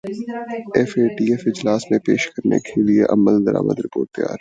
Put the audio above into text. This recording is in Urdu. ایف اے ٹی ایف اجلاس میں پیش کرنے کیلئے عملدرامد رپورٹ تیار